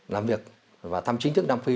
làm việc và thăm chính thức nam phi